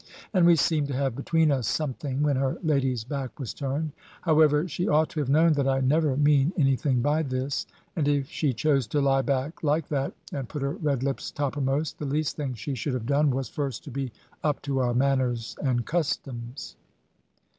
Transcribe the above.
And we seemed to have between us something, when her lady's back was turned. However, she ought to have known that I never mean anything by this; and if she chose to lie back like that, and put her red lips toppermost, the least thing she should have done was first to be up to our manners and customs.